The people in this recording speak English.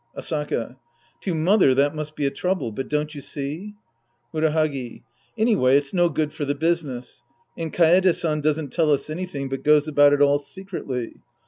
Asaka. To " mother " that must be a trouble, but don't you see ? Murahagi. Anyway it's no good for the business. And Kaede San doesn't tell us anything, but goes about it all secretly.